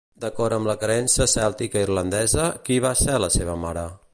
D'acord amb la creença cèltica irlandesa, qui va ser la seva mare?